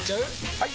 ・はい！